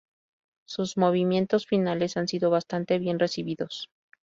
Sus movimientos finales han sido bastante bien recibidos.